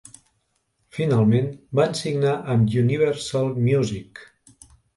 Finalment, van signar amb Universal Music.